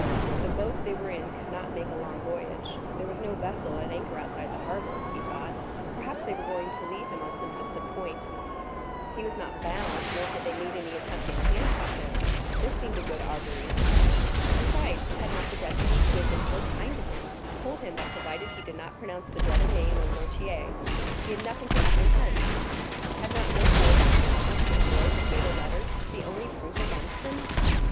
The boat they were in could not make a long voyage; there was no vessel at anchor outside the harbor; he thought, perhaps, they were going to leave him on some distant point. He was not bound, nor had they made any attempt to handcuff him; this seemed a good augury. Besides, had not the deputy, who had been so kind to him, told him that provided he did not pronounce the dreaded name of Noirtier, he had nothing to apprehend? Had not Villefort in his presence destroyed the fatal letter, the only proof against him?